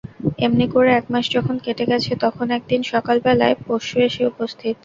এমনি করে এক মাস যখন কেটে গেছে তখন একদিন সকালবেলায় পঞ্চু এসে উপস্থিত।